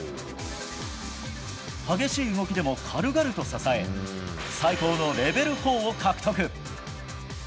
激しい動きでも軽々と支え最高のレベル４を獲得。